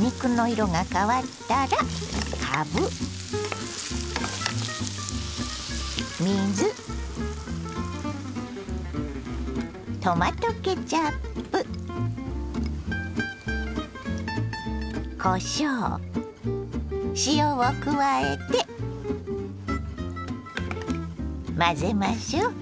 肉の色が変わったらかぶ水トマトケチャップこしょう塩を加えて混ぜましょう。